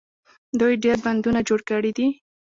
دوی ډیر بندونه جوړ کړي دي.